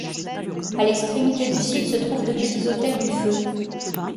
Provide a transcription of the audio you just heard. À l'extrémité du site se trouvent deux petits autels du feu.